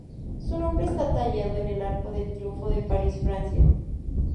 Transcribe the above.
Su nombre está tallado en el Arco del Triunfo de París, Francia.